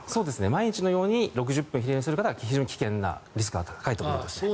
毎日のように３０分以上昼寝する方は非常に危険なリスクが高いということです。